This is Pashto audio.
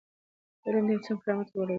علم د انسان کرامت لوړوي.